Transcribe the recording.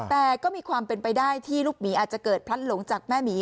แต่ก็มีความเป็นไปได้ที่ลูกหมีอาจจะเกิดพลัดหลงจากแม่หมี